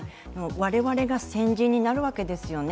我々が先人になるわけですよね。